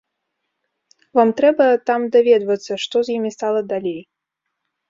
Вам трэба там даведвацца, што з імі стала далей.